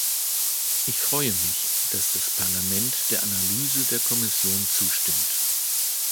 Ich freue mich, dass das Parlament der Analyse der Kommission zustimmt.